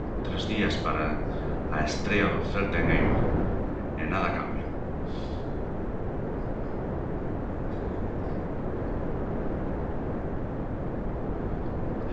Tres días para a estrea do Celta en Eibar e nada cambia.